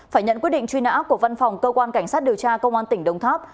phải nhận quyết định truy nã của văn phòng cơ quan cảnh sát điều tra công an tỉnh đồng tháp